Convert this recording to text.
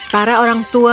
para orang tua